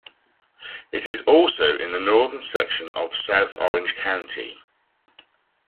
It is also in the northern section of South Orange County.